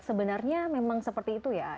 sebenarnya memang seperti itu ya